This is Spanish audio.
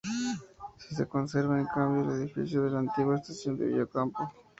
Sí se conserva, en cambio, el edificio de la antigua estación de Villa Ocampo.